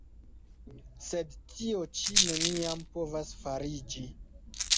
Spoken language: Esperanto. Sed tio ĉi neniam povas fariĝi!